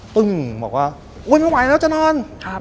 บอกว่าอุ๊ยไม่ไหวแล้วจะนอน